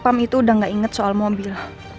saat pam itu udah gak inget soal mobil